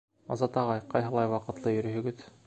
Азат ағай, ҡайһылай ваҡытлы йөрөйһөгөҙ!